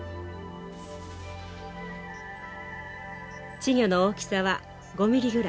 稚魚の大きさは５ミリぐらい。